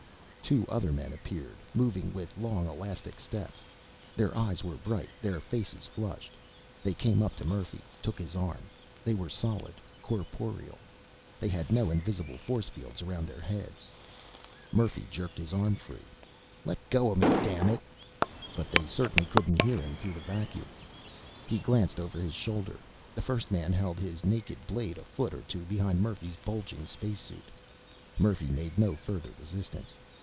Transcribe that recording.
Two other men appeared, moving with long elastic steps. Their eyes were bright, their faces flushed. They came up to Murphy, took his arm. They were solid, corporeal. They had no invisible force fields around their heads. Murphy jerked his arm free. "Let go of me, damn it!" But they certainly couldn't hear him through the vacuum. He glanced over his shoulder. The first man held his naked blade a foot or two behind Murphy's bulging space suit. Murphy made no further resistance.